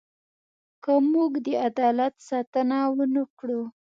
که موږ د عدالت ساتنه ونه کړو.